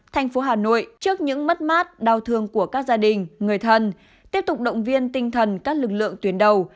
thành phố hà nội trước những mất mát đau thương của các gia đình người thân tiếp tục động viên tinh thần các lực lượng tuyến đầu